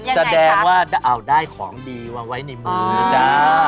แสดงว่าเอาได้ของดีมาไว้ในมือจ้า